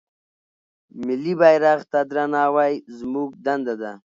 ملي بيرغ ته درناوی زموږ دنده ده.